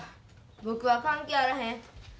僕は関係あらへん。